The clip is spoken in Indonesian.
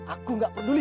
aku gak peduli